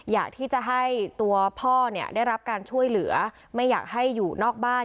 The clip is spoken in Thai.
อยากที่จะให้ตัวพ่อเนี่ยได้รับการช่วยเหลือไม่อยากให้อยู่นอกบ้าน